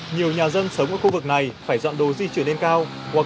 nhiều nhà dân sống ở khu vực này phải dọn đồ di chuyển lên cao